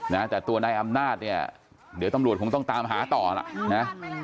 นะแต่ตัวนายอำนาจเนี่ยเดี๋ยวตำรวจคงต้องตามหาต่อล่ะนะ